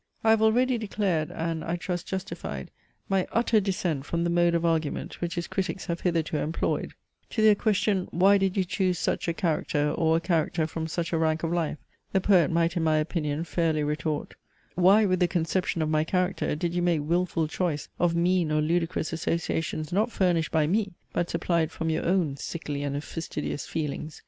I have already declared, and, I trust justified, my utter dissent from the mode of argument which his critics have hitherto employed. To their question, "Why did you choose such a character, or a character from such a rank of life?" the poet might in my opinion fairly retort: why with the conception of my character did you make wilful choice of mean or ludicrous associations not furnished by me, but supplied from your own sickly and fastidious feelings?